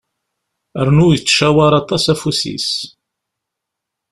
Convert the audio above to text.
Rnu, yettcawar aṭas afus-is.